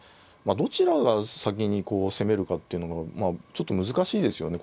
あどちらが先にこう攻めるかっていうのがまあちょっと難しいですよね